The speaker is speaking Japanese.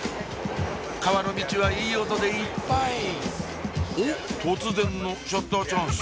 川のミチはいい音でいっぱいおっ突然のシャッターチャンス